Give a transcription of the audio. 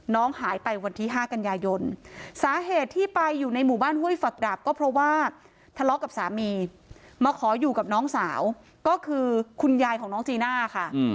น้องหายไปวันที่๕กันยายนสาเหตุที่ไปอยู่ในหมู่บ้านห้วยฝักดาบก็เพราะว่าทะเลาะกับสามีมาขออยู่กับน้องสาวก็คือคุณยายของน้องจีน่าค่ะ